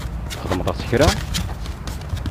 Txdem-as kra?